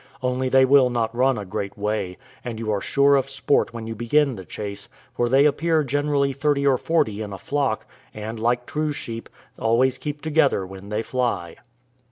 only they will not run a great way, and you are sure of sport when you begin the chase, for they appear generally thirty or forty in a flock, and, like true sheep, always keep together when they fly.